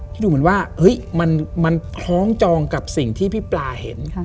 ดูเหมือนว่ามันคล้องจองกับสิ่งที่พี่ปลาเห็น